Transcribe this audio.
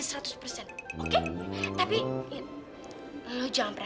satu password ntar